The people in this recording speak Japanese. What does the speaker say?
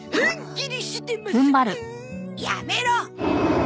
やめろ！